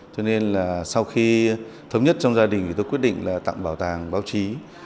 cho nên là sau khi thống nhất trong gia đình thì tôi quyết định là tặng bảo tàng báo chí